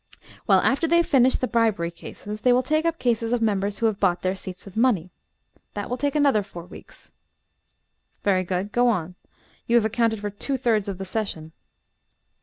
Well, after they have finished the bribery cases, they will take up cases of members who have bought their seats with money. That will take another four weeks." "Very good; go on. You have accounted for two thirds of the session."